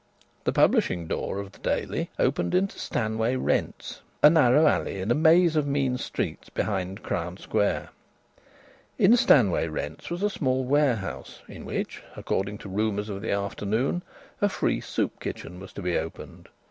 The publishing door of the Daily opened into Stanway Rents, a narrow alley in a maze of mean streets behind Crown Square. In Stanway Rents was a small warehouse in which, according to rumours of the afternoon, a free soup kitchen was to be opened.